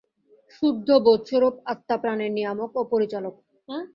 শুদ্ধ বোধস্বরূপ আত্মা প্রাণের নিয়ামক ও পরিচালক।